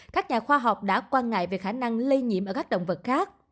các nhà khoa học đã quan ngại về khả năng lây nhiễm ở các động vật khác